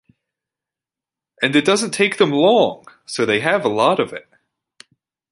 And it doesn't take them long, so they have a lot of it.